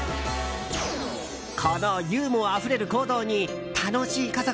このユーモアあふれる行動に楽しい家族！